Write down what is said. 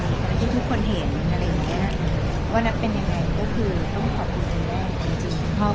ต้องบอกเลยครับว่าที่นัทเป็นได้อย่างทุกวันนี้ที่ทุกคนเห็นว่านัทเป็นยังไงก็คือต้องขอบคุณแม่จริง